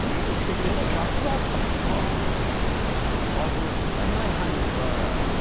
その逆があったりとかありま狭い範囲でですよね。